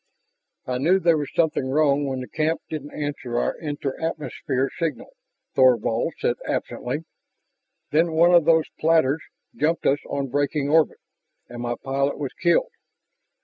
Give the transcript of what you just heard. "I knew there was something wrong when the camp didn't answer our enter atmosphere signal," Thorvald said absently. "Then one of those platters jumped us on braking orbit, and my pilot was killed.